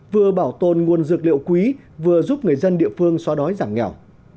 vừa bảo tồn nguồn dược liệu quý vừa giúp người dân địa phương xóa đói giảm nghèo